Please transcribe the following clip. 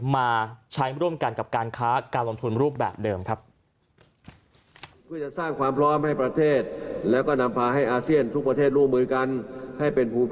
มาใช้ร่วมกันกับการค้าการลงทุนรูปแบบเดิมครับ